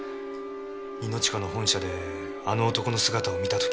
ニノチカの本社であの男の姿を見た時。